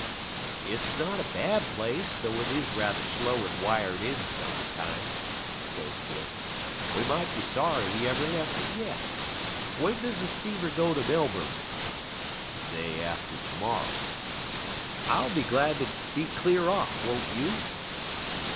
'It's not a bad place, though it is rather slow and wired in sometimes,' says Jim. 'We might be sorry we ever left it yet. When does the steamer go to Melbourne?' 'The day after to morrow.' 'I'll be glad to be clear off; won't you?'